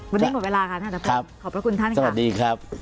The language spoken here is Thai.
วันนี้หมดเวลาค่ะท่านธภาพขอบพระคุณท่านค่ะสวัสดีครับ